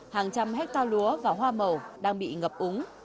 hàng trăm hectare lúa và hoa màu đang bị ngập úng